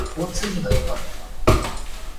交通費が良かった